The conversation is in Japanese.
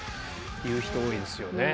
言う人多いですよね。ね。